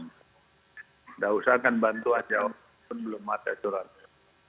tidak usahakan bantuan jauh pun belum ada curangnya